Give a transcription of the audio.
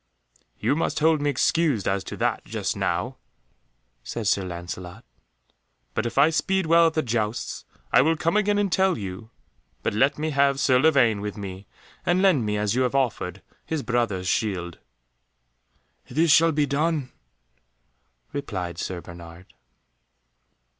"You must hold me excused as to that, just now," said Sir Lancelot, "but if I speed well at the jousts, I will come again and tell you. But let me have Sir Lavaine with me, and lend me, as you have offered, his brother's shield." "This shall be done," replied Sir Bernard.